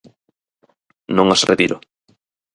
Non as retiro.